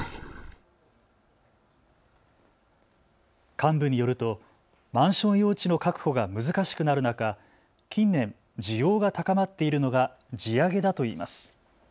幹部によるとマンション用地の確保が難しくなる中、近年、需要が高まっているのが地上げだといいます。